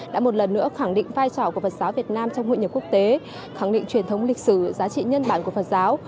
đã một lần nữa khẳng định vai trò của phật giáo việt nam trong hội nhập quốc tế khẳng định truyền thống lịch sử giá trị nhân bản của phật giáo